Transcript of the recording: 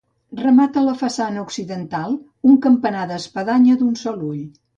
Remata la façana occidental un campanar d'espadanya d'un sol ull.